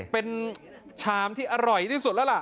เป็นชามที่อร่อยที่สุดแล้วล่ะ